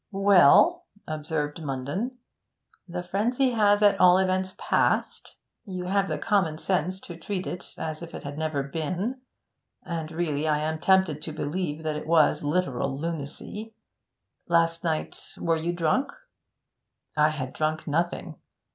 'Well,' observed Munden, 'the frenzy has at all events passed. You have the common sense to treat it as if it had never been; and really I am tempted to believe that it was literal lunacy. Last night were you drunk?' 'I had drunk nothing.